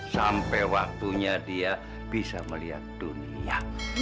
sampai waktunya dia bisa melihat dunia